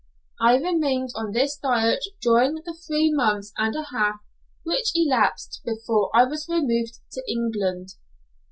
I remained on this diet during the three months and a half which elapsed before I was removed to England.